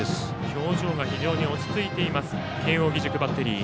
表情が落ち着いている慶応義塾バッテリー。